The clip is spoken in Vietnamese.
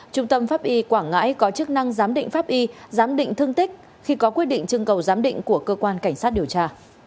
cơ quan chức năng giám định pháp y giám định thương tích khi có quyết định trưng cầu giám định của cơ quan cảnh sát điều tra